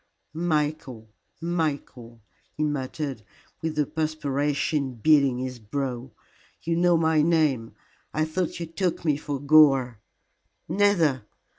"Michael Michael," he muttered, with the perspiration beading his brow. "You know my name. I thought you took me for Gore." "Never.